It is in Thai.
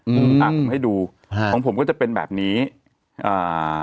อืมอ่ะผมให้ดูฮะของผมก็จะเป็นแบบนี้อ่า